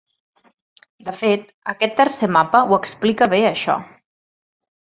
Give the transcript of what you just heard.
De fet, aquest tercer mapa ho explica bé, això.